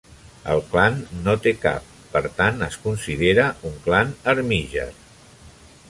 El clan no té cap; per tant es considera un clan armíger.